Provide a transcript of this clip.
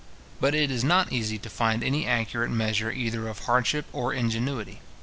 But it is not easy to find any accurate measure either of hardship or ingenuity.